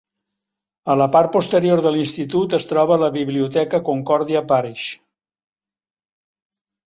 A la part posterior de l'institut es troba la Biblioteca Concordia Parish.